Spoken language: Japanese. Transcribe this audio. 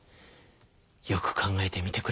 よく考えてみてくれ。